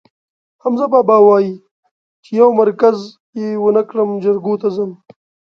حمزه بابا وایي: چې یو مرگز یې ونه کړم، جرګو ته ځم.